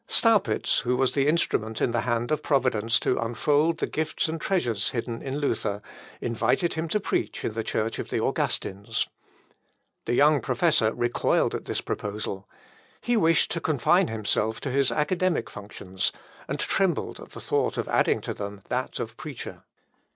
" Melch. Adam. Vita Lutheri, p. 104. Staupitz, who was the instrument in the hand of Providence to unfold the gifts and treasures hidden in Luther, invited him to preach in this church of the Augustins. The young professor recoiled at this proposal. He wished to confine himself to his academic functions, and trembled at the thought of adding to them that of preacher.